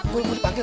gue mau dipanggil